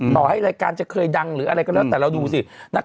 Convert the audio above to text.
ต่อให้รายการจะเคยดังหรืออะไรก็แล้วแต่เราดูสิ